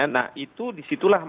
nah itu disitulah